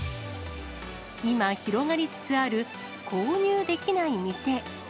今、広がりつつある購入できない店。